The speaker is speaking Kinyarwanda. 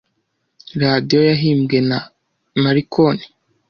Radiyo yahimbwe na Marconi.